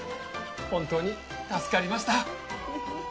本当に助かりました。